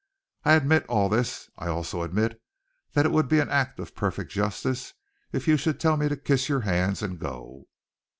I admit all this. I also admit that it would be an act of perfect justice if you should tell me to kiss your hands and go."